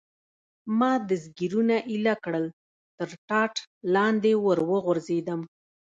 ما دستګیرونه ایله کړل، تر ټاټ لاندې ور وغورځېدم.